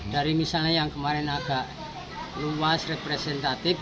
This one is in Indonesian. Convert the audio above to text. dari misalnya yang kemarin agak luas representatif